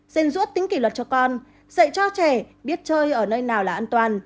dền ruốt tính kỷ luật cho con dạy cho trẻ biết chơi ở nơi nào là an toàn